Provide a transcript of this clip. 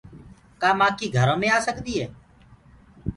ڪآ مآکي گھرو مي آ سڪدي هي۔